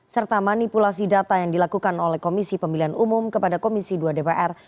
serta manipulasi data yang dilakukan oleh komisi pemilihan umum kepada komisi dua dpr